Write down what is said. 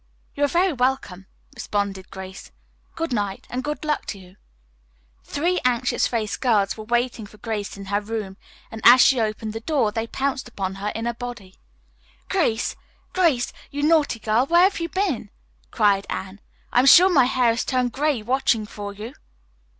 "You are very welcome," responded Grace. "Good night, and good luck to you." Three anxious faced girls were waiting for Grace in her room, and as she opened the door they pounced upon her in a body. "Grace, Grace, you naughty girl, where have you been?" cried Anne. "I am sure my hair has turned gray watching for you."